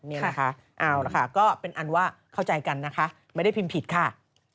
นี่นะคะเอาละค่ะก็เป็นอันว่าเข้าใจกันนะคะไม่ได้พิมพ์ผิดค่ะ